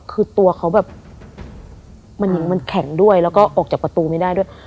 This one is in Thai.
คือตัวเขาแบบมันแข็งด้วยแล้วก็ออกจากประตูไม่ได้ด้วย